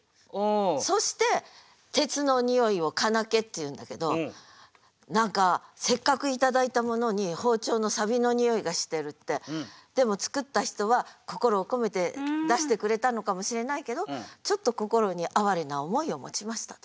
そして鉄のにおいを「鉄気」っていうんだけど何かせっかくいただいたものに包丁のさびのにおいがしてるってでも作った人は心を込めて出してくれたのかもしれないけどちょっと心に哀れな思いを持ちましたと。